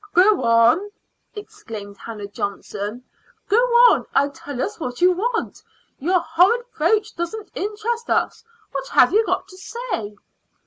"Go on," exclaimed Hannah Johnson "go on and tell us what you want. Your horrid brooch doesn't interest us. What have you got to say?"